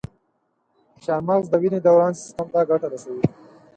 چارمغز د وینې دوران سیستم ته ګټه رسوي.